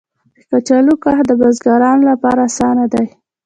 د کچالو کښت د بزګرانو لپاره اسانه دی.